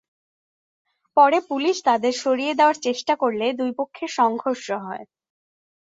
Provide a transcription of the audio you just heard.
পরে পুলিশ তাঁদের সরিয়ে দেওয়ার চেষ্টা করলে দুই পক্ষের সংঘর্ষ হয়।